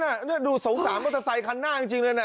นี่ดูสงสารมอเตอร์ไซคันหน้าจริงเลยนะ